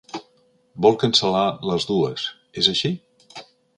Vol cancel·lar les dues, és així?